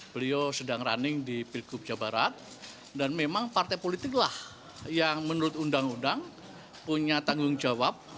beliau sedang running di pilgub jawa barat dan memang partai politiklah yang menurut undang undang punya tanggung jawab